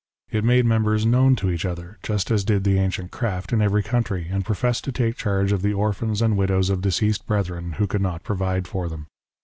It made members known to each other, just as did the ancient craft, in every country, and professed to take charge of the orphans and widows of deceased brethren who could not provide for them.